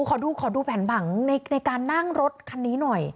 ขอดูขอดูแผนผังในการนั่งรถคันนี้หน่อย